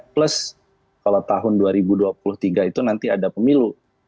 plus kalau tahun dua ribu dua puluh tiga itu nanti ada pemilu